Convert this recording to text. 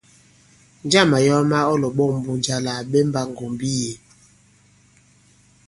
Njâŋ màyɛwa mā ɔ lɔ̀ɓɔ̂ŋ Mbunja àla à ɓɛmbā ŋgɔ̀mbi yě ?